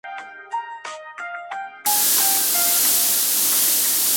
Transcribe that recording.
El pájaro sólo puede mirar con horror la violenta persecución de Tom hacia Jerry.